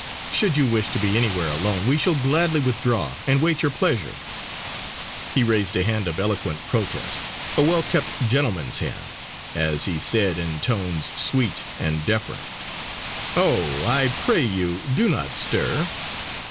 Should you wish to be anywhere alone we shall gladly withdraw and wait your pleasure." He raised a hand of eloquent protest, a well kept, gentleman's hand, as he said in tones sweet and deferent: "Oh! I pray you, do not stir.